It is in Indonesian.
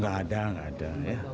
nggak ada nggak ada